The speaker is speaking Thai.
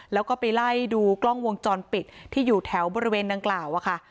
แล้วก็ไปไล่ดูกล้องวงจรปิดที่อยู่แถวบริเวณดังกล่าวอะค่ะ